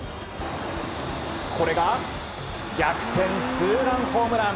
これが逆転ツーランホームラン。